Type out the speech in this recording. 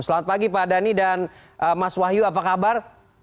selamat pagi pak dhani dan mas wahyu apa kabar